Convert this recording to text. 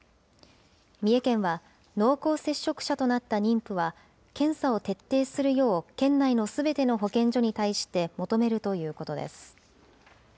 三重県は、濃厚接触者となった妊婦は、検査を徹底するよう県内のすべての保健所に対して求めるということです。